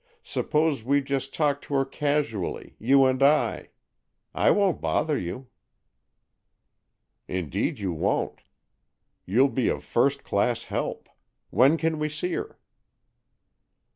Suppose we just talk to her casually, you and I. I won't bother you." "Indeed you won't. You'll be of first class help. When can we see her?"